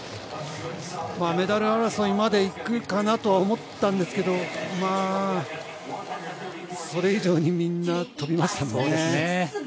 メダル争いまでいくかなとは思ったんですがそれ以上にみんな飛びましたね。